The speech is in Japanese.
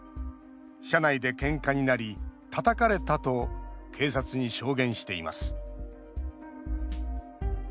「車内でけんかになりたたかれた」と警察に証言しています。